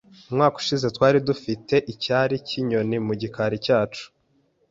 Umwaka ushize twari dufite icyari cyinyoni mu gikari cyacu.